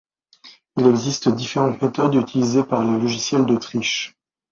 Il existe différentes méthodes utilisées par les logiciels de triche.